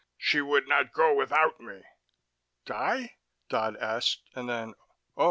"She would not go without me." "Die?" Dodd asked, and then: "Oh.